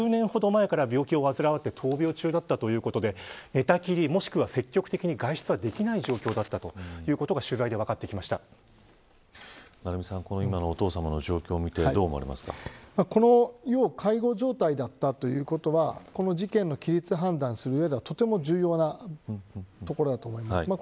１０年ほど前から病気を患い闘病中だったということで寝たきり、もしくは積極的に外出できない状況だったということがお父さまのこの状況を見て要介護状態だったということはこの事件の擬律判断では重要なところだと思います。